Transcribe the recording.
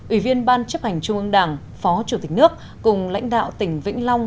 ủy viên ban chấp hành trung ương đảng phó chủ tịch nước cùng lãnh đạo tỉnh vĩnh long